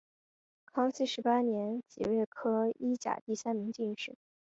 康熙十八年己未科一甲第三名进士。